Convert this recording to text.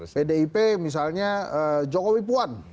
pdip misalnya jokowi puan